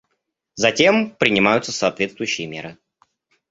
Затем принимаются соответствующие меры.